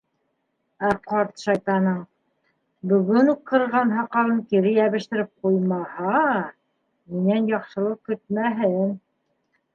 Ә ҡарт шайтаның... бөгөн үк ҡырған һаҡалын кире йәбештереп ҡуймаһа... минән яҡшылыҡ көтмәһен!